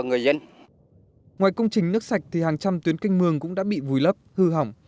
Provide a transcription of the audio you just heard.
ngoài công trình nước sạch thì hàng trăm tuyến canh mương cũng đã bị vùi lấp hư hỏng